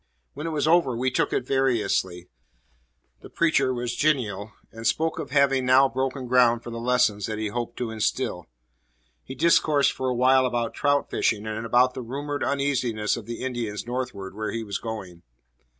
When it was over we took it variously. The preacher was genial and spoke of having now broken ground for the lessons that he hoped to instil. He discoursed for a while about trout fishing and about the rumored uneasiness of the Indians northward where he was going.